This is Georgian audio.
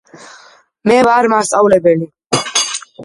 მე ვარ მასწავლებელი